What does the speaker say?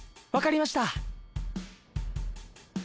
分かりました。